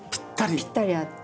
ぴったり合って。